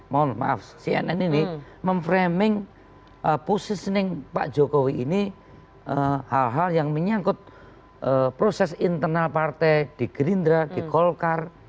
mohon maaf cnn ini memframing positioning pak jokowi ini hal hal yang menyangkut proses internal partai di gerindra di golkar